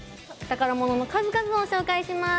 宝物の数々を紹介します。